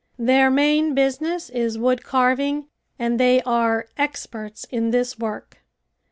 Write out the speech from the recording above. Their main business is wood carving and they are experts in this work.